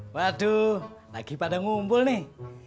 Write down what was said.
waduh lagi pada ngumpul nih